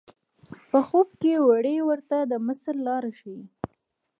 په خوب کې وری ورته د مصر لار ښیي.